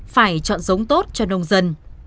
phải chọn giống tốt cho nông dân